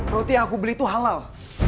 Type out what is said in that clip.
roti yang aku beli itu halal